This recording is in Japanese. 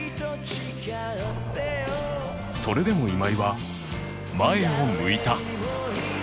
それでも今井は前を向いた